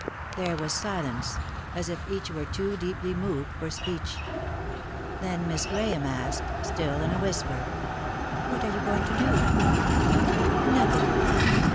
There was silence, as if each were too deeply moved for speech. Then Miss Grahame asked, still in a whisper: " What are you going to do ?"" Nothing."